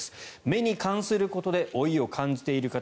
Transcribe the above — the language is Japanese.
目に関することで老いを感じている方